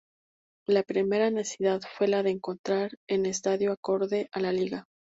La primera necesidad fue la de encontrar un Estadio acorde a la Liga.